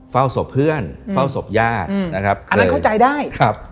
เฝ้าศพเพื่อนเฝ้าศพญาตินะครับ